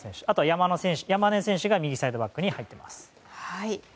あとは山根選手が右サイドバックに入っています。